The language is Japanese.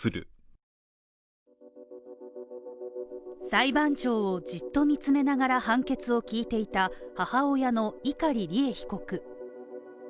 裁判長をじっと見つめながら判決を聞いていた、母親の碇利恵被告。